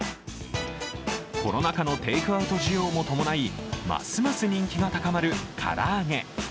コロナ禍のテイクアウト需要も伴い、ますます人気が高まる唐揚げ。